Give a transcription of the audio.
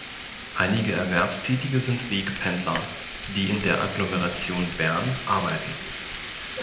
Einige Erwerbstätige sind Wegpendler, die in der Agglomeration Bern arbeiten.